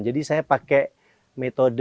jadi saya pakai metode